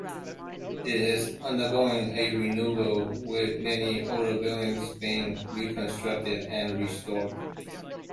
It is undergoing a renewal, with many older buildings being reconstructed and restored.